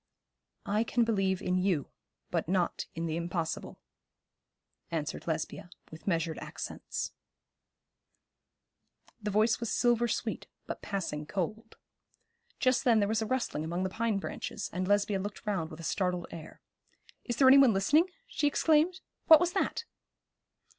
'I can believe in you, but not in the impossible,' answered Lesbia, with measured accents. The voice was silver sweet, but passing cold. Just then there was a rustling among the pine branches, and Lesbia looked round with a startled air. 'Is there any one listening?' she exclaimed. 'What was that?'